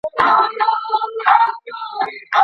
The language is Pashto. که ئې سبب له يوه طرفه وي او که د دواړو لخوا وي.